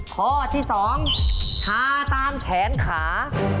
ข้อที่๒ชาตามแขนขา